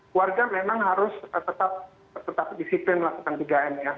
keluarga memang harus tetap disiplin melakukan tiga m ya